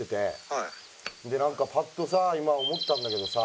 「はい」でなんかパッとさ今思ったんだけどさ